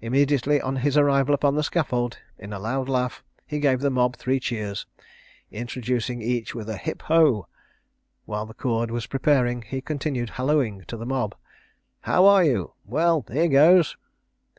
Immediately on his arrival upon the scaffold, in a loud laugh, he gave the mob three cheers, introducing each with a "Hip, ho!" While the cord was preparing, he continued hallooing to the mob, "How are you? Well, here goes."